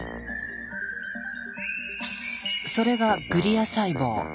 それがグリア細胞。